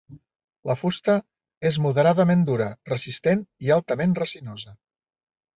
La fusta és moderadament dura, resistent i altament resinosa.